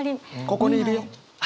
ここにいるよ。